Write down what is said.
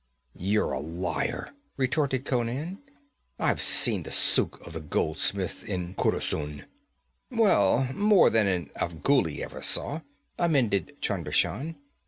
'You're a liar,' retorted Conan. 'I've seen the suk of the goldsmiths in Khurusun.' 'Well, more than an Afghuli ever saw,' amended Chunder Shan.